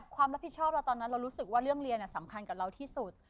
ความรับผิดชอบเราเรื่องเรียนสำคัญกับเราที่สุด